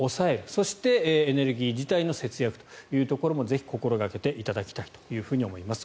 そしてエネルギー自体の節約というところもぜひ心掛けていただきたいと思います。